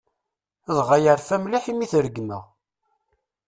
Dɣa, yerfa mliḥ imi i t-regmeɣ.